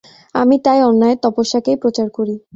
আমি তাই অন্যায়ের তপস্যাকেই প্রচার করি।